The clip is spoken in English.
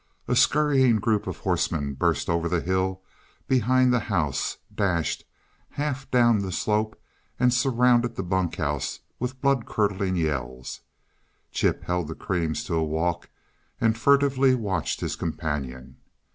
A scurrying group of horsemen burst over the hill behind the house, dashed half down the slope, and surrounded the bunk house with blood curdling yells. Chip held the creams to a walk and furtively watched his companion.